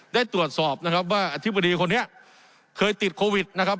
ได้ตรวจสอบนะครับว่าอธิบดีคนนี้เคยติดโควิดนะครับ